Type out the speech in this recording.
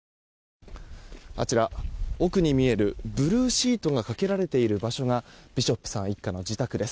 奥に見えるブルーシートがかけられている場所がビショップさん一家の自宅です。